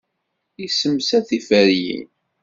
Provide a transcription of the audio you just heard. Yessemsed tiferyin.